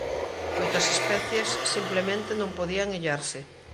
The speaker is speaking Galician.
Moitas especies simplemente non podían illarse.